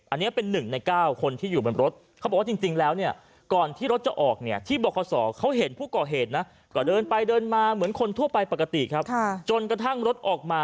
อันนี้เป็น๑ใน๙คนที่อยู่บริเวณรถ